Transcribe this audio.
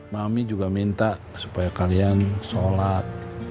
nami juga minta supaya kalian sholat